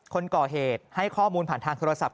คนก่อเหตุให้ข้อมูลผ่านทางโทรศัพท์